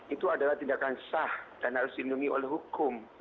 itu adalah tindakan sah dan harus dilindungi oleh hukum